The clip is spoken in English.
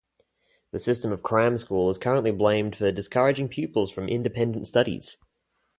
The system of cram school is currently blamed for discouraging pupils from independent studies.